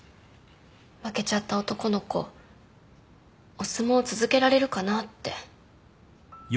負けちゃった男の子お相撲続けられるかなって。